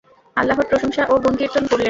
আল্লাহর প্রশংসা ও গুণকীর্তন করলেন।